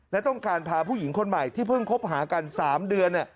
และต้องการพาผู้หญิงคนใหม่ที่เพิ่งคบหากัน๓เดือน